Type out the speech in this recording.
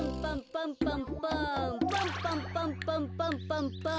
パンパンパンパンパンパンパン。